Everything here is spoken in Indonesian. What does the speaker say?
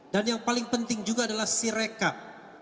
dan yang paling penting juga adalah si rekap